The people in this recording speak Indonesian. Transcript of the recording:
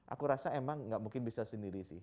aku rasa emang gak mungkin bisa sendiri sih